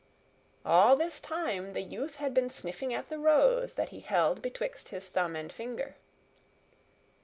'" All this time the youth had been sniffing at the rose that he held betwixt his thumb and finger.